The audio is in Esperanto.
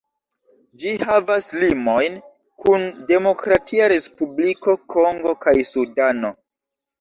Ĝi havas limojn kun Demokratia Respubliko Kongo kaj Sudano.